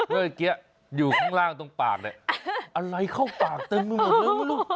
เมื่อกี้อยู่ข้างล่างตรงปากเนี่ยอะไรเข้าปากเต็มไปหมดเลย